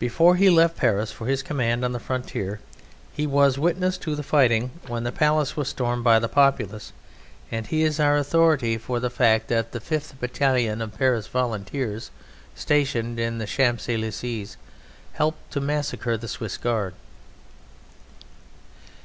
Before he left Paris for his command on the frontier he was witness to the fighting when the Palace was stormed by the populace, and he is our authority for the fact that the 5th Battalion of Paris Volunteers stationed in the Champs Elysées helped to massacre the Swiss Guard.